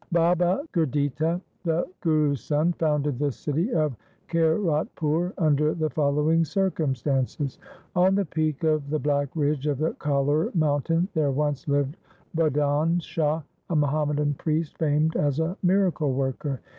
Baba Gurditta, the Guru's son, founded the city of Kiratpur under the following circumstances :— On the peak of the black ridge of the Kahlur mountain there once lived Budhan Shah, a Muhammadan priest famed as a miracle worker.